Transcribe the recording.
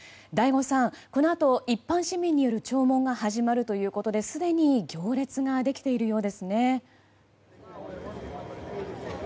醍醐さん、このあと一般市民による弔問が始まるということですでに行列ができているようですね。